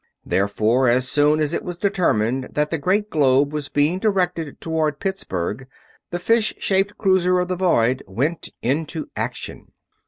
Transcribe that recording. Therefore as soon as it was determined that the great globe was being directed toward Pittsburgh the fish shaped cruiser of the void went into action.